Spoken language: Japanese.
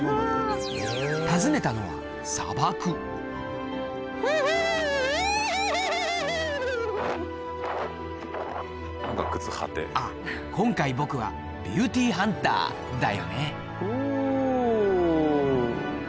訪ねたのは砂漠あっ今回僕はビュティーハンターだよねおう。